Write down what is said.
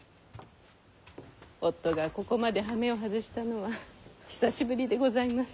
夫がここまでハメを外したのは久しぶりでございます。